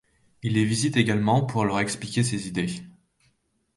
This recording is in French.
Il les visite également pour leur expliquer ses idées.